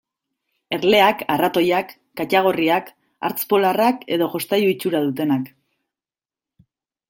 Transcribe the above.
Erleak, arratoiak, katagorriak, hartz polarrak edo jostailu itxura dutenak.